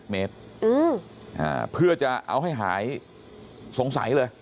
เมตรเพื่อจะเอาให้หายสงสัยเลย